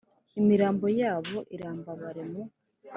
imirambo yabo irambarare mu